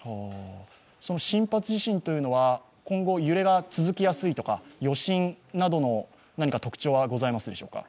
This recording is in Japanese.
その深発地震というのは今後揺れが続きやすいとか、余震などの何か特徴はございますでしょうか？